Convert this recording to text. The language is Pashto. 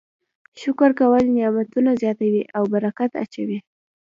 شکر کول نعمتونه زیاتوي او برکت اچوي.